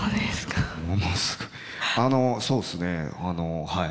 あのそうですねはい。